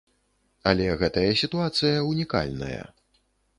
Але гэтая сітуацыя ўнікальная.